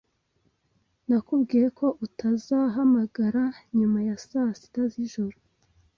Nakubwiye ko utazahamagara nyuma ya saa sita z'ijoro.